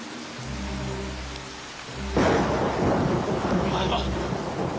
お前は！